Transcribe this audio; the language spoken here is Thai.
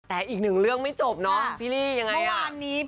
แต่อีกหนึ่งเรื่องไม่จบน้องพิริ